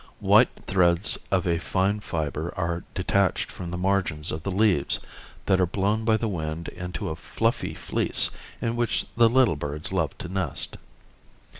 White threads of a finer fiber are detached from the margins of the leaves that are blown by the wind into a fluffy fleece, in which the little birds love to nest.